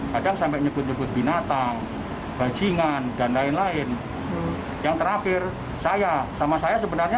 kadang sampai nyebut nyebut binatang bajingan dan lain lain yang terakhir saya sama saya sebenarnya